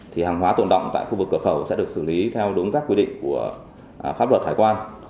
thì hàng hóa tồn động tại khu vực cửa khẩu sẽ được xử lý theo đúng các quy định của pháp luật hải quan